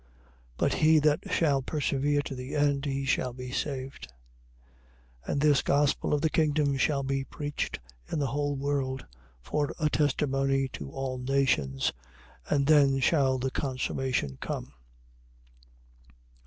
24:13. But he that shall persevere to the end, he shall be saved. 24:14. And this gospel of the kingdom shall be preached in the whole world, for a testimony to all nations: and then shall the consummation come.